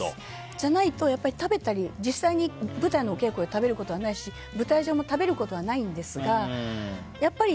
じゃないと、食べたり実際に舞台のお稽古で食べたりしないし舞台上も食べることはないんですがやっぱり、